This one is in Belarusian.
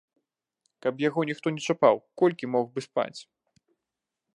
Каб яго ніхто не чапаў, колькі мог бы спаць?